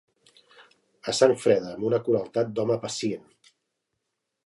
A sang freda, amb una crueltat d'home pacient.